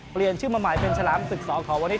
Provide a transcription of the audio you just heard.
เปลี่ยนชื่อมาใหม่เป็นฉลามศึกสอขอวันนี้